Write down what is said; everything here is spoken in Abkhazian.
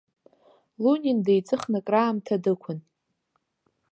Лунин деиҵыхны краамҭа дықәын.